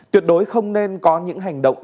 tuyệt đối không nên có những hành động